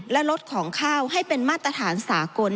และลดของข้าวให้เป็นมาตรฐานสากล